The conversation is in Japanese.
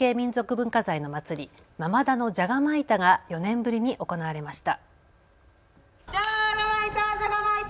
文化財の祭り、間々田のじゃがまいたが４年ぶりに行われました。